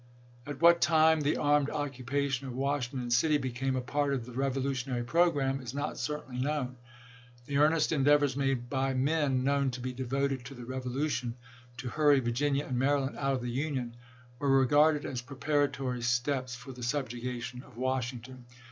.. At what time the armed occupation of Washington City became a part of the revolutionary programme is not certainly known. .. The earnest endeavors made by men known to be devoted to the revolution, to hurry Virginia and Maryland out of the Union, were regarded as pre paratory steps for the subjugation of Washington.